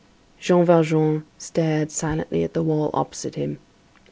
Jean Valjean stared silently at the wall opposite him.